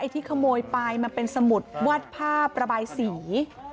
ที่ขโมยไปมันเป็นสมุดวาดผ้าประบายสี